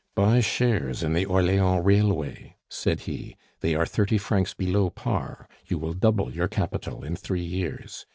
"Buy shares in the Orleans Railway," said he; "they are thirty francs below par, you will double your capital in three years.